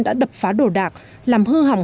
đã đập phá đồ đạc làm hư hỏng